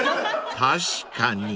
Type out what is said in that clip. ［確かに］